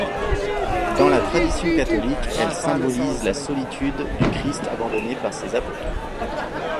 Dans la tradition catholique, elles symbolisent la solitude du Christ abandonné par ses apôtres.